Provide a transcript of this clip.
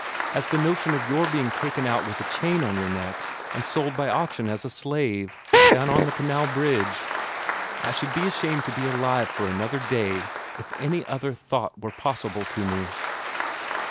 as the notion of your being taken out with a chain on your neck and sold by auction as a slave, down on the canal bridge. I should be ashamed to be alive for another day, if any other thought were possible to me."